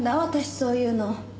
そういうの。